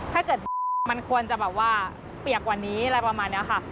ถ้าเกิดมันควรจะแบบว่าเปียกกว่านี้อะไรประมาณนี้ค่ะ